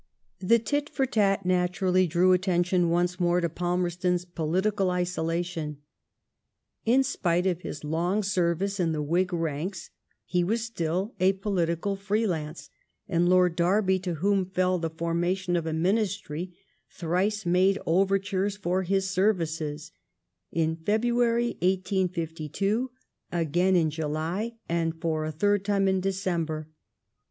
The tit*for tat naturally drew attention once more to Palmerston's political isolation. In spite of his long service in the Whig ranks, he was still a political free lance ; and Lord Derby, to whom fell the formation of a ministry, thrice made overtures for his services; in February 1862, again in July, and for a third time in December.